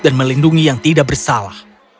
dan melindungi yang tidak bersalah